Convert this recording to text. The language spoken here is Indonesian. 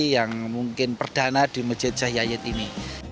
yang mungkin perdana di mejid seh sayed ini